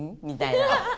みたいな。